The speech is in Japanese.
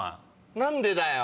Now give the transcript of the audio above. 何でだよ？